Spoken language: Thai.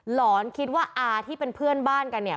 หอนคิดว่าอาที่เป็นเพื่อนบ้านกันเนี่ย